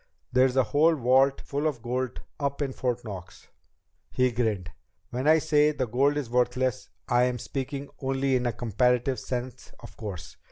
There's a whole vault full of gold up in Fort Knox." He grinned. "When I say the gold is worthless, I am speaking only in a comparative sense of course.